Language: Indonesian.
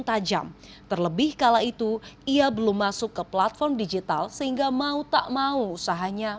tajam terlebih kala itu ia belum masuk ke platform digital sehingga mau tak mau usahanya